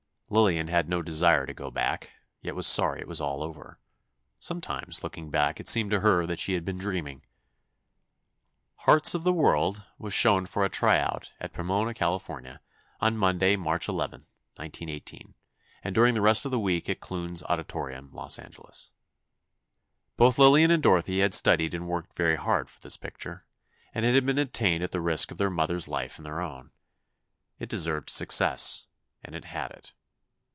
Lillian had no desire to go back, yet was sorry it was all over. Sometimes, looking back, it seemed to her that she had been dreaming. "Hearts of the World" was shown for a tryout at Pomona, California, on Monday, March 11, 1918, and during the rest of the week at Clune's Auditorium, Los Angeles. Both Lillian and Dorothy had studied and worked very hard for this picture, and it had been obtained at the risk of their mother's life and their own. It deserved success, and it had it.